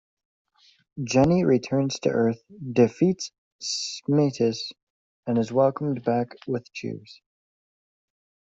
Jenny returns to Earth, defeats Smytus, and is welcomed back with cheers.